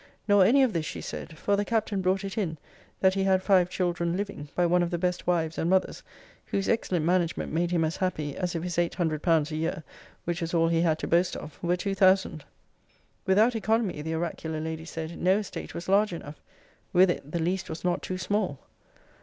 Nor any of this, she said; for the Captain brought it in, that he had five children living, by one of the best wives and mothers, whose excellent management made him as happy as if his eight hundred pounds a year (which was all he had to boast of) were two thousand. Without economy, the oracular lady said, no estate was large enough. With it, the least was not too small.